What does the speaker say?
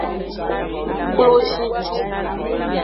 Klozincu.